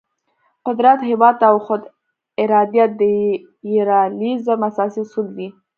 قدرت، هیواد او خود ارادیت د ریالیزم اساسي اصول دي.